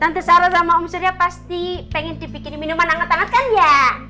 tante sarah sama om surya pasti pengen dipikinin minuman anget anget kan ya